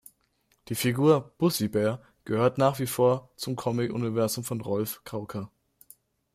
Die Figur "Bussi-Bär" gehört nach wie vor zum Comic-Universum von Rolf Kauka.